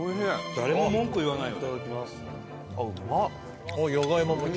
誰も文句言わないよ。